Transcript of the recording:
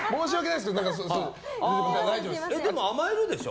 でも甘えるでしょ？